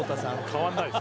「変わんないです」